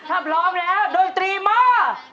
ถ้าพร้อมแล้วดนตรีมา